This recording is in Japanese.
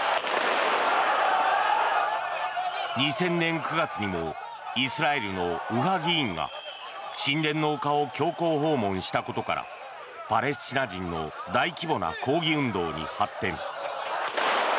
２０００年９月にもイスラエルの右派議員が神殿の丘を強行訪問したことからパレスチナ人の大規模な抗議運動に発展。